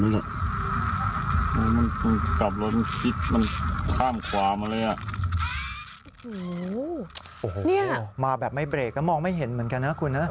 มันกลับรถมันข้ามความเลยอ่ะมาแบบไม่เบรกก็มองไม่เห็นเหมือนกันนะคุณ